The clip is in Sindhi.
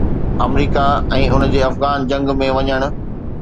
آمريڪا ۽ ان جي افغان جنگ ۾ وڃڻ.